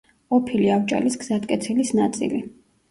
ყოფილი ავჭალის გზატკეცილის ნაწილი.